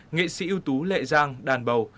nghệ sĩ ưu tú lệ giang đàn bầu